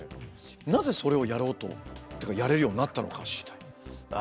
なぜそれをやろうとというかやれるようになったのかを知りたい。